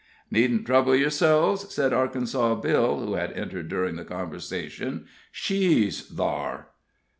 "Needn't trouble yerselves," said Arkansas Bill, who had entered during the conversation; "she's thar."